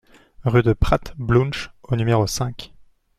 Rue de Prat Blouch au numéro cinq